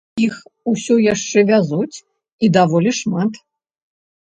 Іх усё яшчэ вязуць, і даволі шмат.